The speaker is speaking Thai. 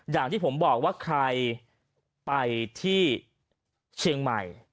อย่างที่ผมบอกว่าใครไปที่เชียงใหม่